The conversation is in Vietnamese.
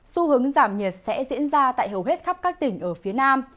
xu hướng giảm nhiệt sẽ diễn ra tại hầu hết khắp các tỉnh ở phía nam